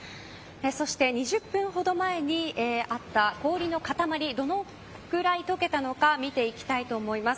そして、２０分ほど前にあった氷の塊どのぐらい解けたのか見ていきたいと思います。